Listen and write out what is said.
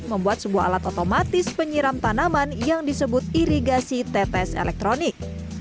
membuat sebuah alat otomatis penyiram tanaman yang disebut irigasi tetes elektronik